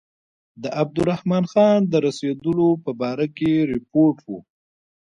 د عبدالرحمن خان د رسېدلو په باره کې رپوټ و.